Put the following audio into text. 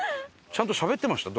ちゃんとしゃべってました？